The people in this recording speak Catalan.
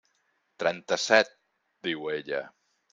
«Trenta-set», diu ella.